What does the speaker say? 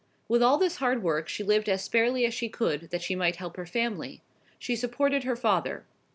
With all this hard work she lived as sparely as she could, that she might help her family. She supported her father.